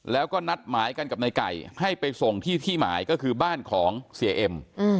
แล้วก็นัดหมายกันกับในไก่ให้ไปส่งที่ที่หมายก็คือบ้านของเสียเอ็ม